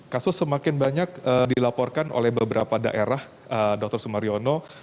kasus semakin banyak dilaporkan oleh beberapa daerah dr sumariono